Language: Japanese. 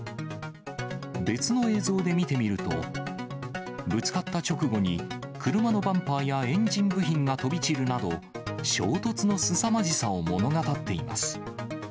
別の映像で見てみると、ぶつかった直後に、車のバンパーやエンジン部品が飛び散るなど、衝突のすさまじさを物語っています。